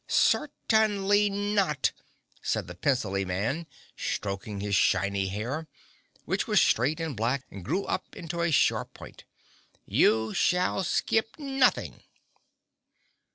"Certainly not!" said the pencilly man stroking his shiny hair, which was straight and black and grew up into a sharp point. "You shall skip nothing!"